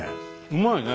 うまいね。